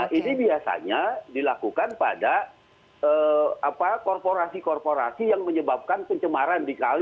nah ini biasanya dilakukan pada